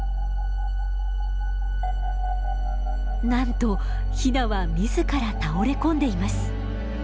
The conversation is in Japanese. なんとヒナは自ら倒れ込んでいます。